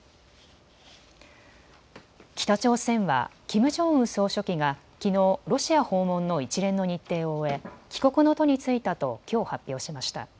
北朝鮮はキム・ジョンウン総書記がきのう、ロシア訪問の一連の日程を終え帰国の途に就いたときょう発表しました。